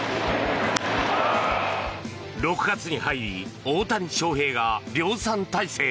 ６月に入り大谷翔平が量産体制。